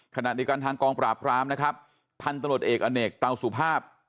ขณะเดียวกันทางกองปราบรามนะครับพันธุ์ตำรวจเอกอเนกเตาสุภาพ